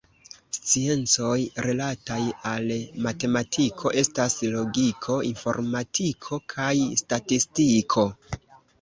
Sciencoj rilataj al matematiko estas logiko, informadiko kaj statistiko.